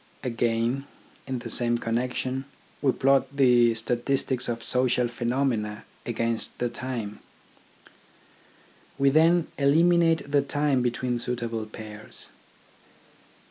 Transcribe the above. Again, in the same connection we plot the THE AIMS OF EDUCATION 19 statistics of social phenomena against the time. We then eliminate the time between suitable pairs.